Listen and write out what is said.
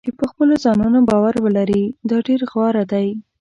چې په خپلو ځانونو باور ولري دا ډېر غوره دی.